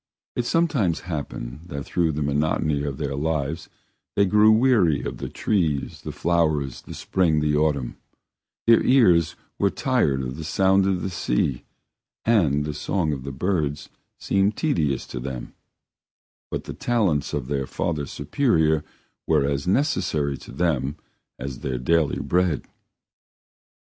It sometimes happened that through the monotony of their lives they grew weary of the trees, the flowers, the spring, the autumn, their ears were tired of the sound of the sea, and the song of the birds seemed tedious to them, but the talents of their Father Superior were as necessary to them as their daily bread.